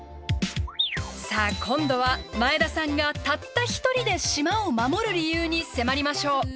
さあ今度は前田さんがたった１人で島を守る理由に迫りましょう。